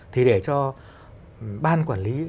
thì để cho ban quản lý